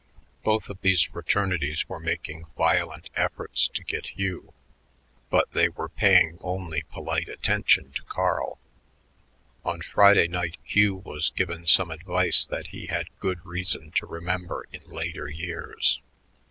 Both of these fraternities were making violent efforts to get Hugh, but they were paying only polite attention to Carl. On Friday night Hugh was given some advice that he had good reason to remember in later years.